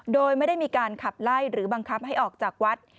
โดยไม่ได้มีการขับไล่หรือบังคับให้ออกจากวัด